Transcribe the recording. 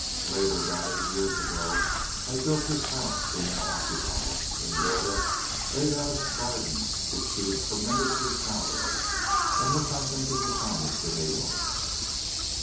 Later, about eight years ago, I built this house we now occupy and Lylda laid out its garden which she is tremendously proud of, and which I think is the finest in Arite.